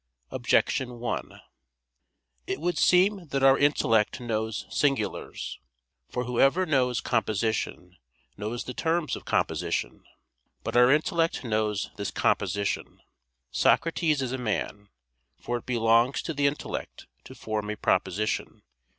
Objection 1: It would seem that our intellect knows singulars. For whoever knows composition, knows the terms of composition. But our intellect knows this composition; "Socrates is a man": for it belongs to the intellect to form a proposition.